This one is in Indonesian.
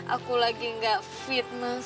aku lagi gak fit mas